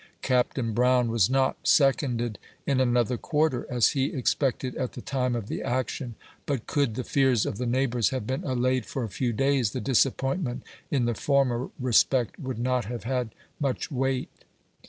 Capt. Brown was not seconded in another quarter as he expected at the time of the action, but could the fears of the neighbors have been allayed for a few days, the disappointment in the former respect would not have had much weight.